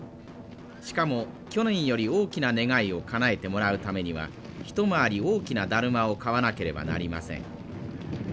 しかも去年より大きな願いをかなえてもらうためには一回り大きなだるまを買わなければなりません。